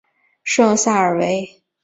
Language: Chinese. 圣萨尔维。